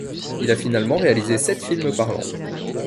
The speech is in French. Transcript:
Il a finalement réalisé sept films parlants.